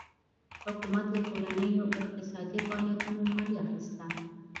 حکومت له کورنیو اقتصادي فعالیتونو مالیه اخیسته.